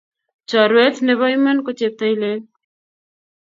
Chorwet nebo Iman ko cheptoilel